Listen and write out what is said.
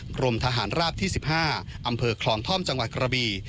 กรมทหารราบที่๑๕อำเภอคลองท่อมจังหวัดกระบี